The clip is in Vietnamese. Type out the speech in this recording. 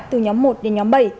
từ nhóm một đến nhóm bảy